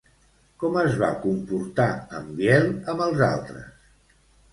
Com es va comportar en Biel amb els altres?